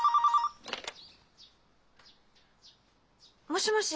☎もしもし？